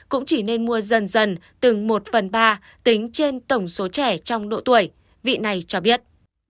cũng chỉ nên mua dần dần từng một phần ba tính trên tổng số trẻ trong độ tuổi vị này cho biết